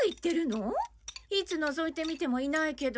いつのぞいてみてもいないけど。